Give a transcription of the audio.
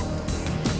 terima kasih wak